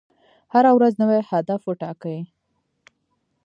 هره ورځ نوی هدف وټاکئ.